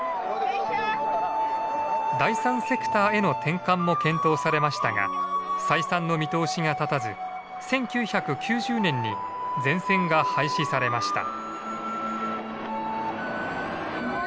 第３セクターへの転換も検討されましたが採算の見通しが立たず１９９０年に全線が廃止されました。